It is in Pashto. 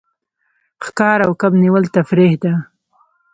ښکار او کب نیول تفریح ده.